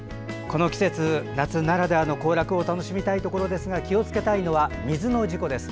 この季節、夏ならではの行楽を楽しみたいところですが気をつけたいのは水の事故です。